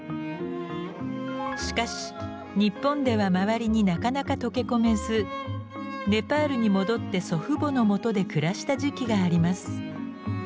しかし日本では周りになかなか溶け込めずネパールに戻って祖父母のもとで暮らした時期があります。